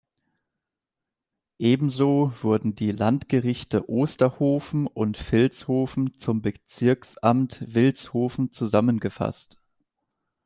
Ebenso wurden die Landgerichte Osterhofen und Vilshofen zum Bezirksamt Vilshofen zusammengefasst.